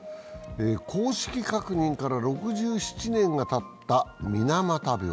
公式確認から６７年がたった水俣病。